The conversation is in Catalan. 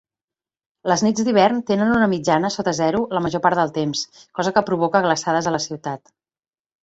Les nits d'hivern tenen una mitjana sota zero la major part del temps, cosa que provoca glaçades a la ciutat.